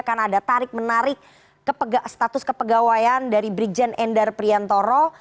karena ada tarik menarik status kepegawaian dari brikjen endar priyantara